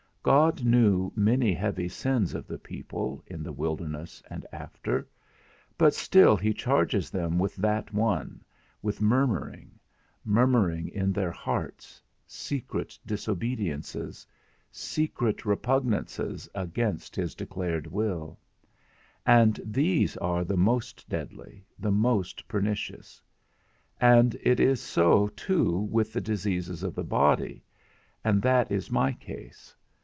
God knew many heavy sins of the people, in the wilderness and after, but still he charges them with that one, with murmuring, murmuring in their hearts, secret disobediences, secret repugnances against his declared will; and these are the most deadly, the most pernicious. And it is so too with the diseases of the body; and that is my case.